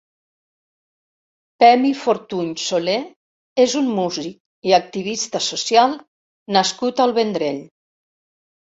Pemi Fortuny Soler és un músic i activista social nascut al Vendrell.